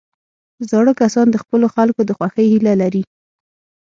زاړه کسان د خپلو خلکو د خوښۍ هیله لري